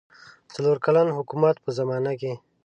څلور کلن حکومت په زمانه کې.